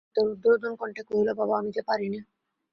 ললিতা রুদ্ধরোদন কণ্ঠে কহিল, বাবা, আমি যে পারি নে।